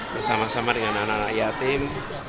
bersama sama dengan anak anak yatim